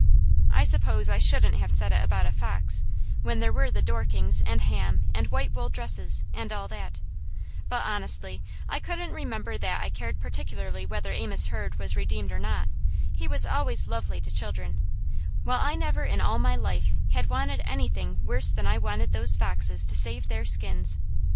I suppose I shouldn't have said it about a fox, when there were the Dorkings, and ham, and white wool dresses, and all that, but honestly, I couldn't remember that I cared particularly whether Amos Hurd was redeemed or not; he was always lovely to children; while I never in all my life had wanted anything worse than I wanted those foxes to save their skins.